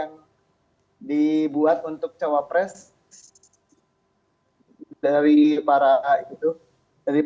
mungkin ada yang dibuat untuk cawapres dari para itu